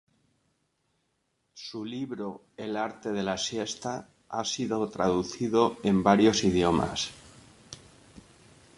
Su libro "El arte de la siesta" ha sido traducido en varios idiomas.